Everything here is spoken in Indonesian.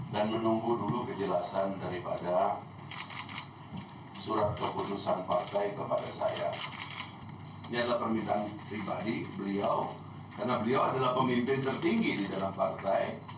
sangat berhati hati untuk mengeluarkan pernyataan dan menunggu dulu kejelasan daripada surat keputusan partai kepada saya